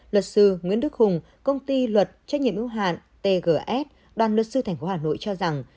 luật sư nguyễn đức hùng công ty luật trách nhiệm ưu hạn tgs đoàn luật sư tp hà nội cho rằng